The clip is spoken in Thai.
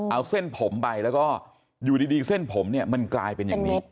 เอาเส้นผมไปแล้วก็อยู่ดีเส้นผมเนี่ยมันกลายเป็นอย่างนี้